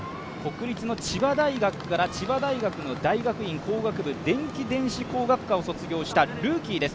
国立の千葉大学から千葉大学の大学院工学部電気電子工学科を卒業したルーキーです。